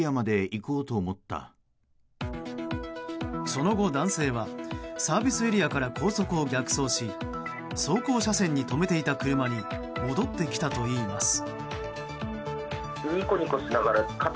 その後、男性はサービスエリアから高速を逆走し走行車線に止めていた車に戻ってきたといいます。